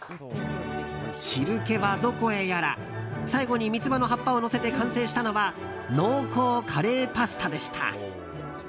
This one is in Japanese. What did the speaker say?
汁気はどこへやら最後に三つ葉の葉っぱをのせて完成したのは濃厚カレーパスタでした。